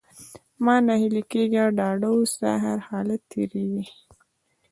مه ناهيلی کېږه! ډاډه اوسه! هرحالت تېرېږي.